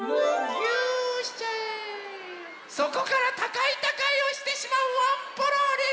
そこからたかいたかいをしてしまうワンポロリン！